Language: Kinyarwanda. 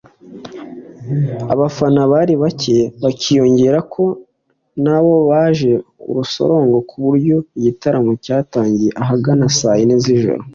Abafana bari bake bikiyongeraho ko na bo baje urusorongo ku buryo igitaramo cyatangiye ahagana saa yine z’ijoro